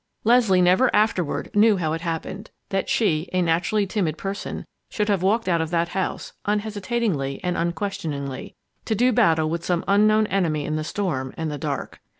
Leslie never afterward knew how it happened that she, a naturally timid person, should have walked out of that house, unhesitatingly and unquestioningly, to do battle with some unknown enemy in the storm and the dark.